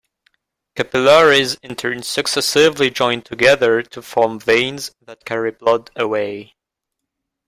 Capillaries in turn successively join together to form veins that carry blood away.